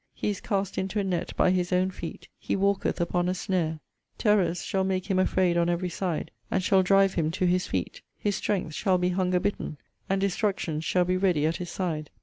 He is cast into a net by his own feet he walketh upon a snare. Terrors shall make him afraid on every side, and shall drive him to his feet. His strength shall be hunger bitten, and destruction shall be ready at his side.